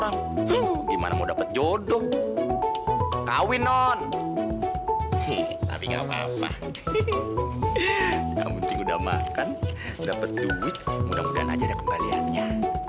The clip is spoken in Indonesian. kamu jangan bikin ibu sakit ya